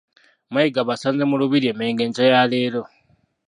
Mayiga abasanze mu Lubiri e Mmengo enkya ya leero